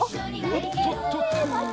おっとっとっと！